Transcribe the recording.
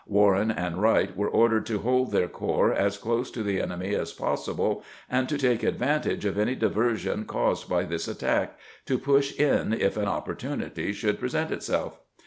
Warren and Wright were ordered to hold their corps as close to the enemy as possible, and to take advantage of any diversion caused by this attack to push in if an opportunity should present itself.